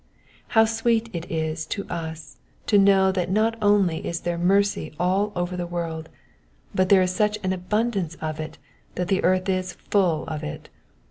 How sweet it is to us to know that not only is there mercy all over the world, but there is such an abundance of it that the earth is full " of it.